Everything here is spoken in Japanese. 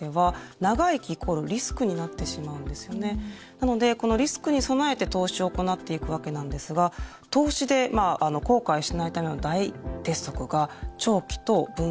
なのでこのリスクに備えて投資を行っていくわけなんですが投資で後悔しないための大鉄則が長期と分散になります。